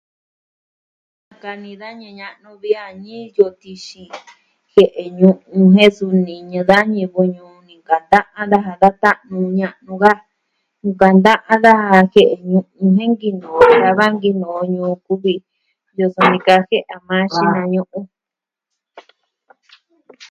Nakani da ñivɨ ña'nu vi a niyo tixin jie'e ñu'un jen niñɨ da ñivɨ ñuu ya'a nkanta'an daja da ta'nu, ña'nu, ka. Nkanta'an daja jie'e ñu'un jen nkinoo. Da nkinoo ñuu kuvi Yosonikaje a maa xinañu'u.